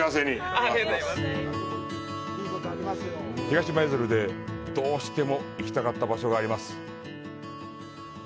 東舞鶴でどうしても行きたかった場所があります。